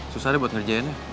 susah deh buat ngerjainnya